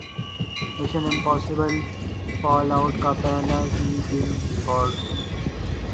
mission Impossible Fallout کا پہلے ہی دن ریکارڈ